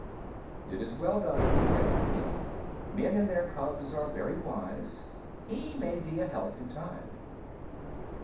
"It was well done," said Akela. "Men and their cubs are very wise. He may be a help in time."